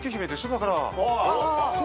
だから。